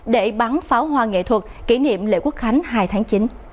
để bắn pháo hoa nghệ thuật kỷ niệm lễ quốc khánh hai tháng chín